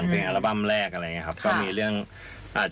ที่๒๐๑๙เพียงอัลบั้มแรก